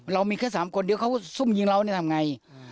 เรามีแค่๓คนเดียวเขาซุ่มยิงเราเนี่ยทำไง